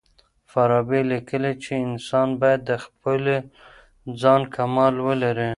فارابي ليکي چي انسان بايد د خپل ځان کمال ولري.